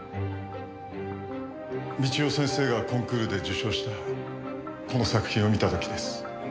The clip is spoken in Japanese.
美千代先生がコンクールで受賞したこの作品を見た時です。